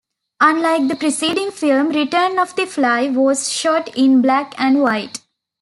Unlike the preceding film, "Return of the Fly" was shot in black and white.